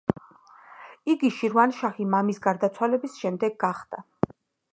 იგი შირვანშაჰი მამის გარდაცვალების შემდეგ გახდა.